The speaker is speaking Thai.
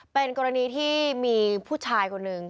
เป็นกรณีที่มีผู้ชายคนหนึ่ง